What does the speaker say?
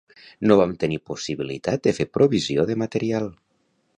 No vam tenir possibilitat de fer provisió de material.